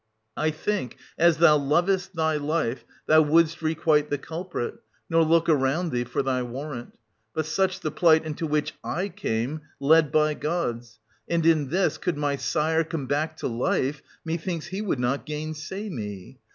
I think, as thou lovest thy life, theu wouldst requite the culprit, nor look around thee for thy warrant. But such the plight into which / came, led by gods; and in this, could my sire come back to life, methinks he would not gainsay me.